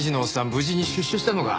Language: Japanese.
無事に出所したのか。